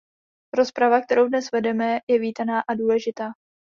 Rozprava, kterou dnes vedeme, je vítaná a důležitá.